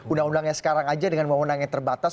undang undangnya sekarang aja dengan mohonan yang terbatas